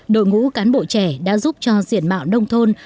đội ngũ cán bộ trẻ đã giúp cho diện mạo nông thôn